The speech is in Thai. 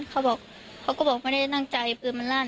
เขาก็บอกไม่ได้ตั้งใจปืนมันรั่น